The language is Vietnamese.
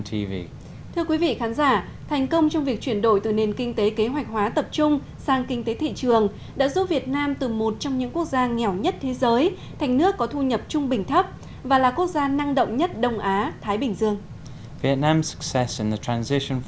thưa quý vị khán giả thành công trong việc chuyển đổi từ nền kinh tế kế hoạch hóa tập trung sang kinh tế thị trường đã giúp việt nam từ một trong những quốc gia nghèo nhất thế giới thành nước có thu nhập trung bình thấp và là quốc gia năng động nhất đông á thái bình dương